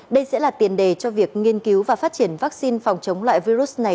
đây sẽ là tiền đề cho việc nghiên cứu và phát triển vaccine phòng chống loại virus này